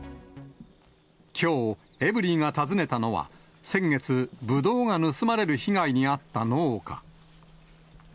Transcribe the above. きょう、エブリィが訪ねたのは、先月、ぶどうが盗まれる被害に遭った農家。